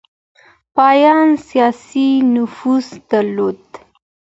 پاپان سياسي نفوذ درلود.